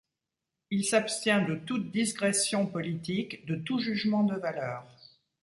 Il s'abstient de toute disgression politique, de tout jugement de valeur.